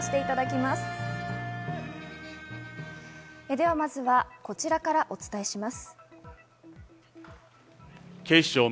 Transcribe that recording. まずはこちらからお伝えします。